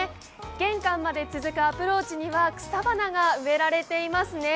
玄関まで続くアプローチには、草花が植えられていますね。